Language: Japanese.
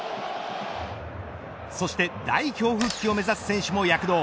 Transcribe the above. そして代表復帰を目指す選手も躍動。